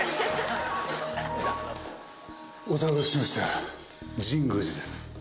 お騒がせしました神宮寺です。